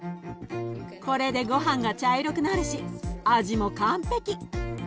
これでごはんが茶色くなるし味も完璧。